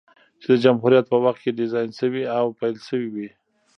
چې د جمهوريت په وخت کې ډيزاين شوې او پېل شوې وې،